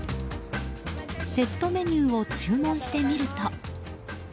セットメニューを注文してみると。